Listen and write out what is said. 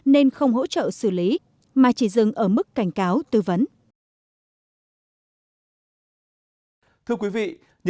nên không hỗ trợ xử lý mà chỉ dừng ở mức cảnh cáo tư vấn